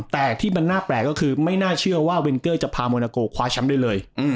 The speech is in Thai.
แต่ที่มันน่าแปลกก็คือไม่น่าเชื่อว่าเวนเกอร์จะพาโมนาโกคว้าแชมป์ได้เลย